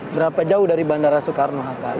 berapa jauh dari bandara soekarno hatta lima belas km